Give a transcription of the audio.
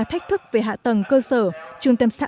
thách thức về hạ tầng cơ sở trung tâm xã